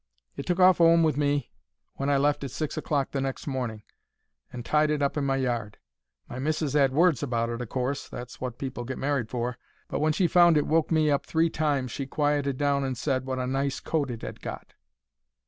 I took it off 'ome with me when I left at six o'clock next morning, and tied it up in my yard. My missis 'ad words about it, o' course—that's wot people get married for—but when she found it woke me up three times she quieted down and said wot a nice coat it 'ad got.